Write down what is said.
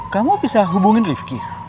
kamu bisa hubungin rifki